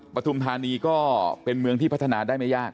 ปฐุมธานีก็เป็นเมืองที่พัฒนาได้ไม่ยาก